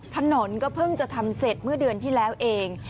ถนนก็เพิ่งจะทำเสร็จเมื่อเดือนที่แล้วเอง